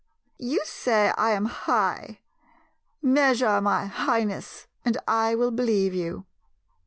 'You say I am "high"; measure my "high ness" and I will believe you.